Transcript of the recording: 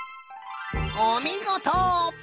おみごと。